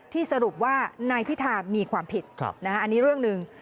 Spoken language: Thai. สรุปว่านายพิธามีความผิดอันนี้เรื่องหนึ่ง